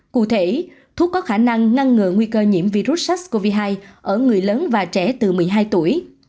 cụ thể thuốc có khả năng ngăn ngừa nguy cơ nhiễm virus sars cov hai ở người lớn và trẻ từ một mươi hai tuổi